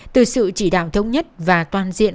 từ sự chỉ đạo thống nhất và toàn diện